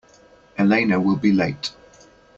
Elena will be late.